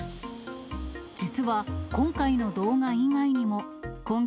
実は、今回の動画以外にも、今月、